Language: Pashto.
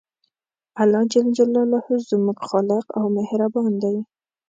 الله ج زموږ خالق او مهربان دی